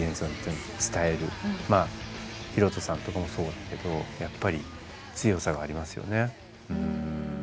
まあヒロトさんとかもそうだけどやっぱり強さがありますよね。